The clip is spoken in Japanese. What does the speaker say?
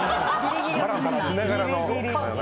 ハラハラしながらの。